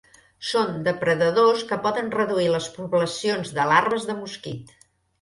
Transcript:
Són depredadors que poden reduir les poblacions de larves de mosquit.